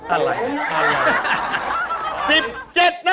อะไรนะ